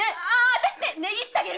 私値切ってあげる！